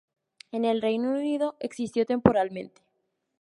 En el Reino Unido existió temporalmente.